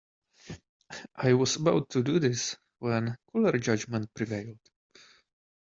I was about to do this when cooler judgment prevailed.